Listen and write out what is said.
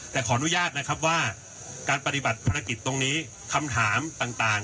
แต่ขออนุญาตนะครับว่าการปฏิบัติภารกิจตรงนี้คำถามต่าง